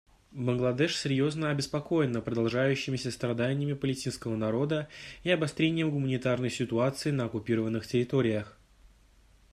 Бангладеш серьезно обеспокоена продолжающимися страданиями палестинского народа и обострением гуманитарной ситуации на оккупированных территориях.